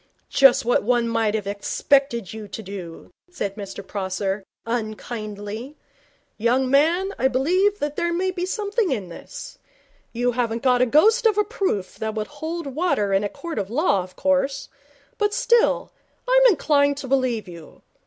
'Just what one might have expected you to do,' said Mr Prosser, unkindly. 'Young man, I begin to believe that there may be something in this. You haven't got a ghost of a proof that would hold water in a court of law, of course; but still, I'm inclined to believe you.